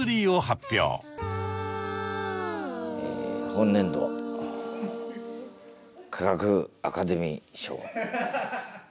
本年度科学アカデミー賞第３位！